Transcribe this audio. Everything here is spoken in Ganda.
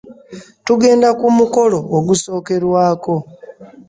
Tugenda ku mukolo ogusokerwaako.